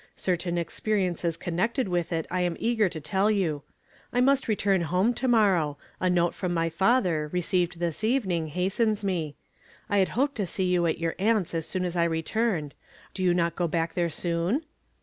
Certain experiences connected with it I am eager to tell you. I must return home to morrow. A note from my father, received this evening, hastens nie. I had hoped to see you at your aunt's as soon as I returned. Do you not go back there soon